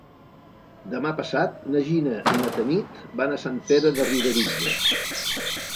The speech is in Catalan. Demà passat na Gina i na Tanit van a Sant Pere de Riudebitlles.